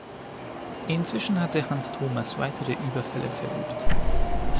Inzwischen hatte Hans Thomas weitere Überfälle verübt.